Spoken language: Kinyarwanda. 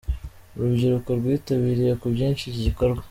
Urubyiruko rwitabiriye ku bwinshi iki gikorwa.